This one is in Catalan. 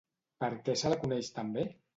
Per què se la coneix també?